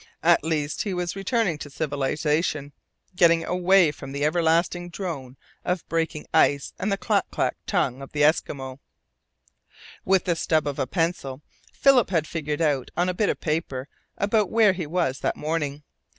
At least he was returning to civilization getting AWAY from the everlasting drone of breaking ice and the clack clack tongue of the Eskimo. With the stub of a pencil Philip had figured out on a bit of paper about where he was that morning.